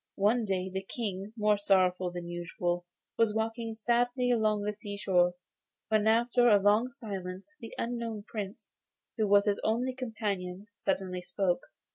One day the King, more sorrowful than usual, was walking sadly along the sea shore, when after a long silence the unknown Prince, who was his only companion, suddenly spoke.